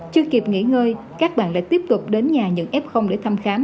chưa kịp nghỉ ngơi các bạn lại tiếp tục đến nhà những f để thăm khám